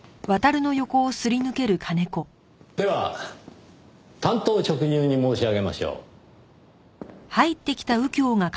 では単刀直入に申し上げましょう。